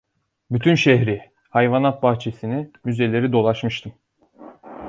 Bütün şehri, hayvanat bahçesini, müzeleri dolaşmıştım.